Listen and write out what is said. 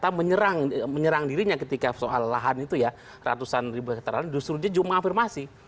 bahkan ketika itu fakta atau data menyerang dirinya ketika soal lahan itu ya ratusan ribu keterangan justru dia cuma afirmasi